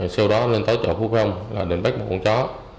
sau đó lên tới chợ phú phong là định bắt một con chó